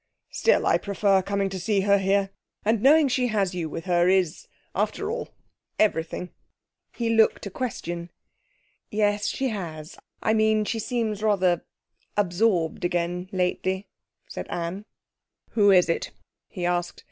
'Still, I prefer coming to see her here. And knowing she has you with her is, after all, everything.' He looked a question. 'Yes, she has. I mean, she seems rather absorbed again lately,' said Anne. 'Who is it?' he asked.